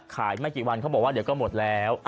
ไม่กี่วันเขาบอกว่าเดี๋ยวก็หมดแล้ว